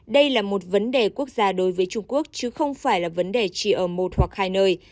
đây là một vấn đề quốc gia đối với trung quốc chứ không phải là vấn đề chỉ ở một hoặc hai nơi